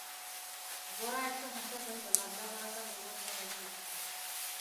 গোরা একটু হাসিয়া কহিল, লজ্জা করাটা দুর্বল স্বভাবের লক্ষণ।